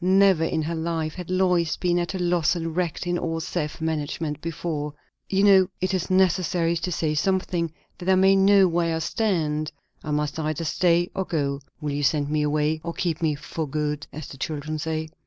Never in her life had Lois been at a loss and wrecked in all self management before. "You know, it is necessary to say something, that I may know where I stand. I must either stay or go. Will you send me away? or keep me 'for good,' as the children say?"